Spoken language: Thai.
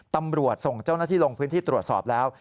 ตำรวจส่งเจ้าหน้าที่ลงพื้นที่ตรวจสอบแล้ว